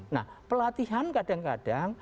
nah pelatihan kadang kadang